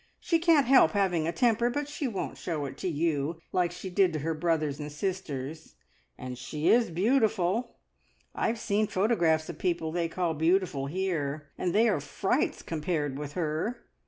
"She can't help having a temper, but she won't show it to you, like she did to her brothers and sisters. And she is beautiful! I've seen photographs of people they call beautiful here, and they are frights compared with her.